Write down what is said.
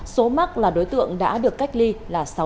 số mắc là đối tượng đã được cách ly là sáu trăm linh hai ca